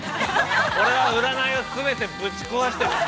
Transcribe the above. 俺は占いを全てぶち壊してみせる。